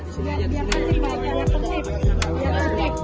lihat dia nasib banyak jangan tertip